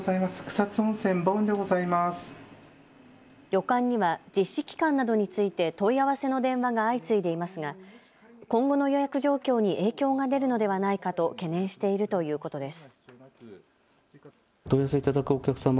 旅館には実施期間などについて問い合わせの電話が相次いでいますが今後の予約状況に影響が出るのではないかと懸念しているということです。